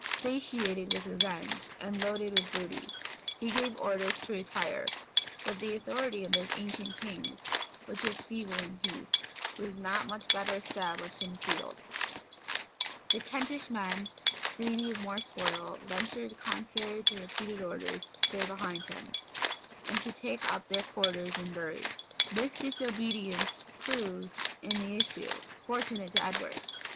Satiated with revenge, and loaded with booty, he gave orders to retire; but the authority of those ancient kings, which was feeble in peace, was not much better established in the field; and the Kentish men, greedy of more spoil, ventured, contrary to repeated orders, to stay behind him, and to take up their quarters in Bury. This disobedience proved, in the issue, fortunate to Edward.